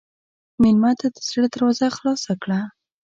مېلمه ته د زړه دروازه خلاصه کړه.